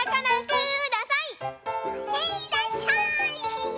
へいいらっしゃい！